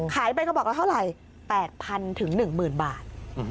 ขายไปกระบอกละเท่าไหร่๘๐๐๑๐๐บาท